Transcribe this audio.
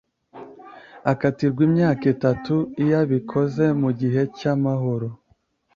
akatirwa imyaka itanu iyo abikoze mu gihe cy'amahoro